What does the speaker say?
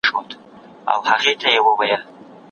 کله چې بوره چټکه هضم شي وینه ناڅاپه لوړیږي.